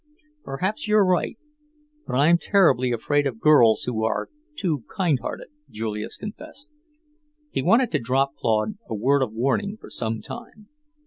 "Perhaps you're right. But I'm terribly afraid of girls who are too kindhearted," Julius confessed. He had wanted to drop Claude a word of warning for some time.